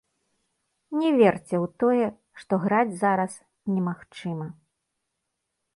Не верце ў тое, што граць зараз немагчыма.